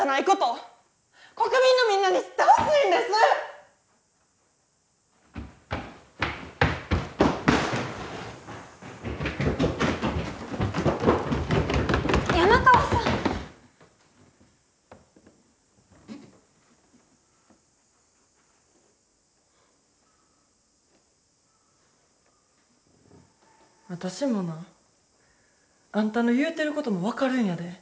私もなあんたの言うてることも分かるんやで。